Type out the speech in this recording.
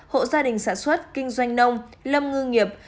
hộ gia đình sản xuất kinh doanh nông lâm ngư nghiệp